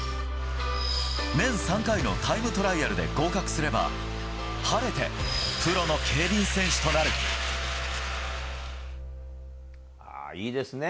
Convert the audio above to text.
年３回のタイムトライアルで合格すれば、晴れてプロの競輪選手といいですね。